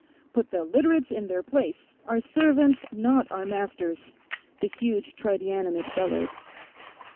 "Put the Literates in their place! Our servants, not our masters!" the huge tridianimate bellowed.